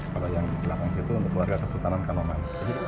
kalau yang di belakang itu untuk keluarga kesultanan kanoman